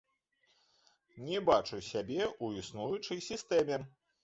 Не бачу сябе ў існуючай сістэме.